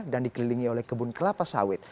dan dikelilingi oleh kebun kelapa sawit